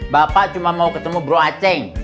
bapak cuma mau ketemu bro aceh